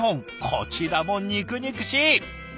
こちらも肉々しい！